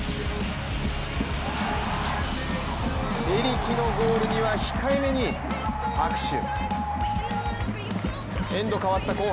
エリキのゴールには控えめに拍手。